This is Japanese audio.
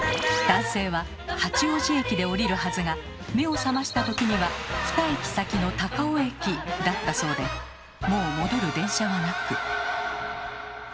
男性は八王子駅で降りるはずが目を覚ました時には２駅先の高尾駅だったそうでもう戻る電車はなく。